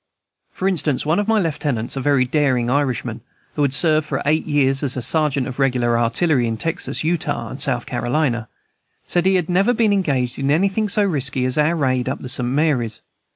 For instance, one of my lieutenants, a very daring Irishman, who had served for eight years as a sergeant of regular artillery in Texas, Utah, and South Carolina, said he had never been engaged in anything so risky as our raid up the St. Mary's.